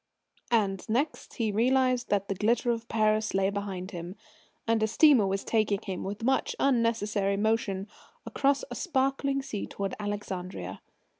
And next he realised that the glitter of Paris lay behind him, and a steamer was taking him with much unnecessary motion across a sparkling sea towards Alexandria.